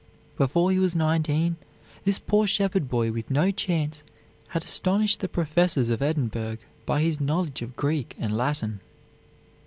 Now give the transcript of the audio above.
Before he was nineteen, this poor shepherd boy with no chance had astonished the professors of Edinburgh by his knowledge of Greek and Latin.